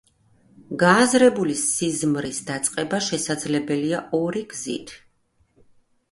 გააზრებული სიზმრის დაწყება შესაძლებელია ორი გზით.